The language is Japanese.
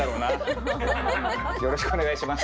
よろしくお願いします。